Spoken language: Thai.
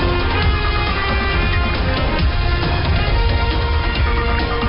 หนี้ครัวเรือนก็คือชาวบ้านเราเป็นหนี้มากกว่าทุกยุคที่ผ่านมาครับ